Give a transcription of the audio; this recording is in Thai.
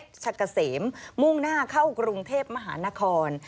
ขับไปตามถนนเพชรชะเกษมมุ่งหน้าเข้ากรุงเทพมหานคร